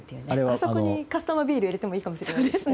あそこにカスタムビールを入れてもいいかもしれないです。